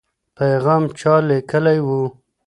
پیغام چا لیکلی و؟